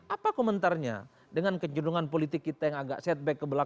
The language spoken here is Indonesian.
apa komentarnya dengan kecedungan politik kita yang agak setback ke belakang